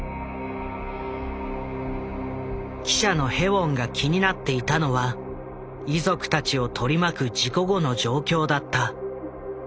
記者のヘウォンが気になっていたのは遺族たちを取り巻く事故後の状況だった。